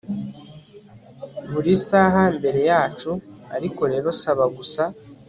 Buri saha mbere yacu ariko rero saba gusa